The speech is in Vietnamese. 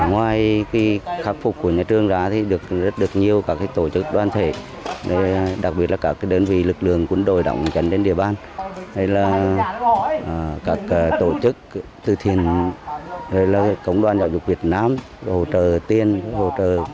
ngoài khắc phục của nhà trường đó thì được rất nhiều các tổ chức đoàn thể đặc biệt là các đơn vị lực lượng quân đội đọng chấn đến địa bàn các tổ chức từ thiền công đoàn giáo dục việt nam hỗ trợ tiên hỗ trợ